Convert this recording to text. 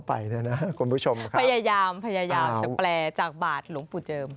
หลวงปู่เจิม